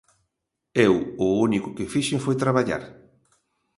Eu o único que fixen foi traballar.